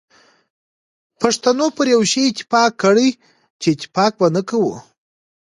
پښتنو پر یو شی اتفاق کړی چي اتفاق به نه کوو.